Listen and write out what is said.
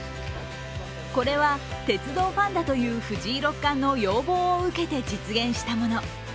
これは鉄道ファンだという藤井六冠の要望を受けて実現したもの。